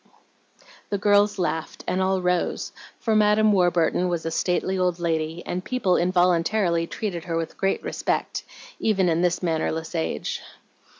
The girls laughed, and all rose, for Madam Warburton was a stately old lady, and people involuntarily treated her with great respect, even in this mannerless age.